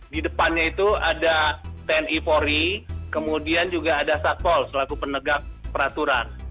di depannya itu ada tni polri kemudian juga ada satpol selaku penegak peraturan